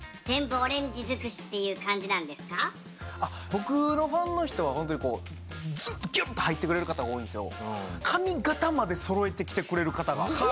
僕のファンの人はホントにずっとぎゅっと入ってくれる方多いんですよ。